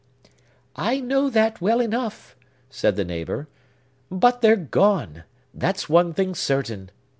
"I know that well enough," said the neighbor. "But they're gone,—that's one thing certain.